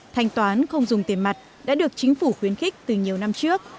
thanh toán không dùng tiền mặt đã được chính phủ khuyến khích từ nhiều năm trước